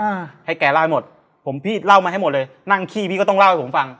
อ่าให้แกเล่าให้หมดผมพี่เล่ามาให้หมดเลยนั่งขี้พี่ก็ต้องเล่าให้ผมฟัง